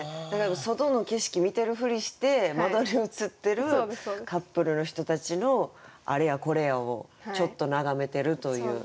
外の景色見てるふりして窓に映ってるカップルの人たちのあれやこれやをちょっと眺めてるという。